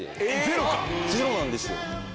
ゼロなんですよ。